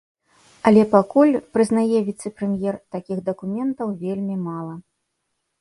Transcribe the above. Але пакуль, прызнае віцэ-прэм'ер, такіх дакументаў вельмі мала.